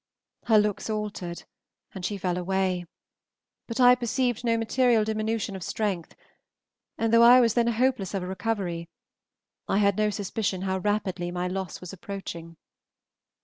Her looks altered and she fell away, but I perceived no material diminution of strength, and though I was then hopeless of a recovery, I had no suspicion how rapidly my loss was approaching.